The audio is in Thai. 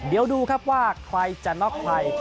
เดี๋ยวดูครับว่าใครจะน็อกใคร